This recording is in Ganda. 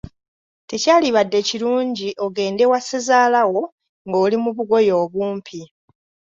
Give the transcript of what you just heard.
Tekyalibadde kirungi ogende wa Ssezaalawo nga oli mu bugoye obumpi.